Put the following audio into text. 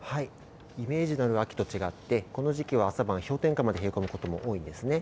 イメージのある秋と違って、この時期は朝晩、氷点下まで冷え込むことも多いんですね。